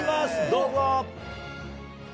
どうぞ。